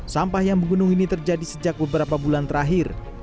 sampah yang menggunung ini terjadi sejak beberapa bulan terakhir